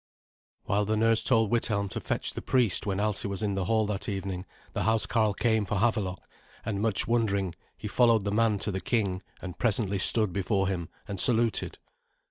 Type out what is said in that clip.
While the nurse told Withelm to fetch the priest when Alsi was in the hall that evening, the housecarl came for Havelok; and much wondering, he followed the man to the king, and presently stood before him and saluted.